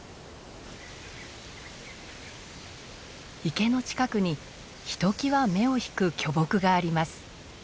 池の近くにひときわ目を引く巨木があります。